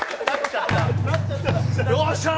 よっしゃー！